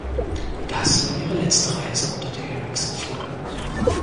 Das war ihre letzte Reise unter der Erikson-Flagge.